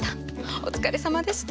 お疲れさまでした。